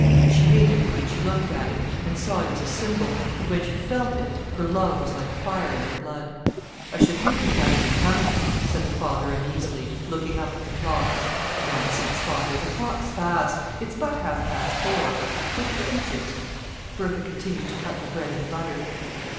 She hated it when she looked at it, and saw it as a symbol, but when she felt it, her love was like fire in her blood. "I should think 'e canna be comin'," said the father uneasily, looking up at the clock. "Nonsense, father—the clock's fast! It's but half past four! Don't fidget!" Bertha continued to cut the bread and butter.